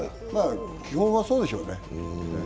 基本はそうでしょうね。